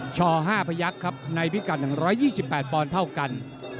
ชอห้าพระยักษ์ครับในพิการ๑๒๘ปอนดิ์เท่ากัน